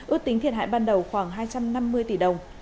ước tính thiệt hại ban đầu khoảng hai trăm năm mươi tỷ đồng